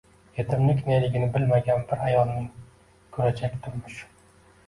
yetimlik neligini bilmagan bir ayolning kurajak turmushi...